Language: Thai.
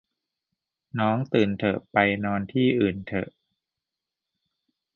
น้อง ตื่น เถอะ ไป นอน ที่ อื่น เถอะ